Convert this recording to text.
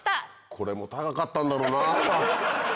これも高かったんだろうな。